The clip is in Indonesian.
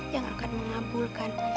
yang akan mengabulkan